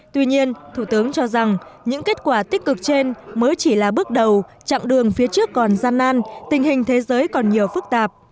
tuy nhiên thủ tướng cho rằng những kết quả tích cực trên mới chỉ là bước đầu chặng đường phía trước còn gian nan tình hình thế giới còn nhiều phức tạp